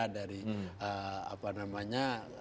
dari apa namanya